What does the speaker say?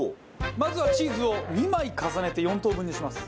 まずはチーズを２枚重ねて４等分にします。